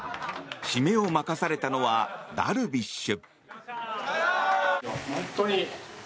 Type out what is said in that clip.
締めを任されたのはダルビッシュ！